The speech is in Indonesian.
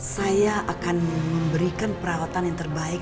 saya akan memberikan perawatan yang terbaik